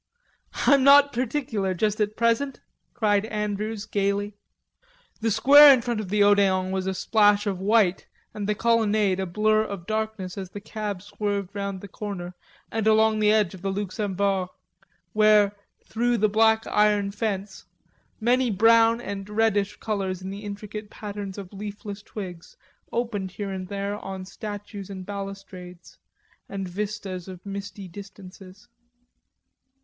"I'm not particular, just at present," cried Andrews gaily. The square in front of the Odeon was a splash of white and the collonade a blur of darkness as the cab swerved round the corner and along the edge of the Luxembourg, where, through the black iron fence, many brown and reddish colors in the intricate patterns of leafless twigs opened here and there on statues and balustrades and vistas of misty distances.